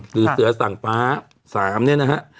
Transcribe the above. หรือเสือสั่งฟ้า๓เนี่ยนะฮะ